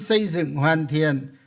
xây dựng hoàn thiện